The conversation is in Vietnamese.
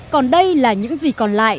còn đây là những gì còn lại